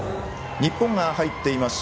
日本が入っています